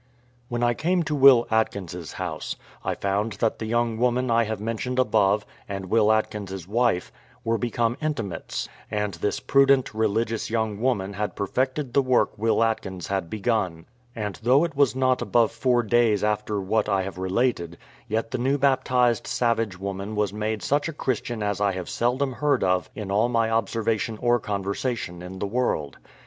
When I came to Will Atkins's house, I found that the young woman I have mentioned above, and Will Atkins's wife, were become intimates; and this prudent, religious young woman had perfected the work Will Atkins had begun; and though it was not above four days after what I have related, yet the new baptized savage woman was made such a Christian as I have seldom heard of in all my observation or conversation in the world.